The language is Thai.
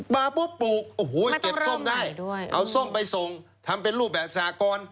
มาปุ๊บปลูกโอ้โหเก็บส้มได้เอาส้มไปส่งทำเป็นรูปแบบสากร